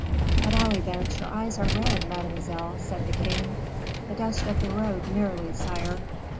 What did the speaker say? "At all events your eyes are red, mademoiselle," said the king. "The dust of the road merely, sire."